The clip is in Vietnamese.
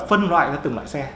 phân loại ra từng loại xe